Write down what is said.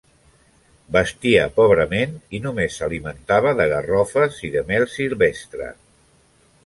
Vestia pobrament, i només s'alimentava de garrofes i de mel silvestre.